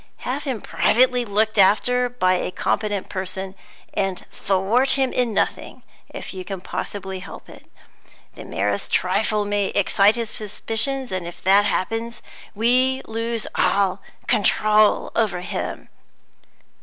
Have him privately looked after by a competent person, and thwart him in nothing, if you can possibly help it. The merest trifle may excite his suspicions; and if that happens, we lose all control over him."